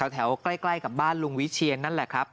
ใกล้กับบ้านลุงวิเชียนนั่นแหละครับ